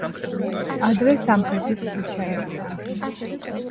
ადრე სამხრეთის ქუჩა ერქვა.